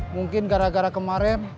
mungkin gara gara kemarin